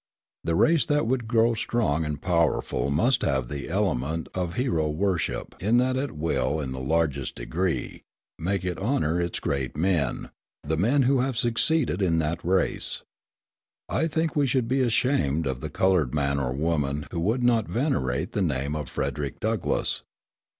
The race that would grow strong and powerful must have the element of hero worship in it that will, in the largest degree, make it honour its great men, the men who have succeeded in that race. I think we should be ashamed of the coloured man or woman who would not venerate the name of Frederick Douglass.